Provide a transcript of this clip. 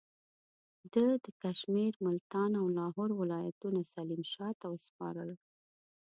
ده د کشمیر، ملتان او لاهور ولایتونه سلیم شاه ته وسپارل.